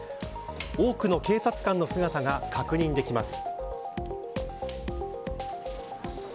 多くの警察官の姿が確認できます。